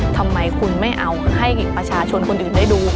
ทำไมคุณไม่เอาให้ประชาชนคนอื่นได้ดู